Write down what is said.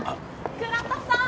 倉田さん！